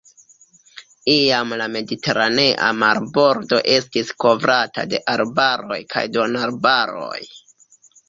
Iam la mediteranea marbordo estis kovrata de arbaroj kaj duonarbaroj.